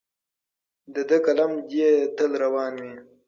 د ده قلم دې تل روان وي.